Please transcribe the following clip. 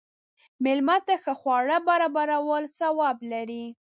مېلمه ته ښه خواړه برابرول ثواب لري.